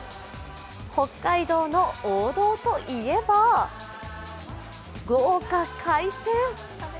北海道の王道といえば豪華海鮮。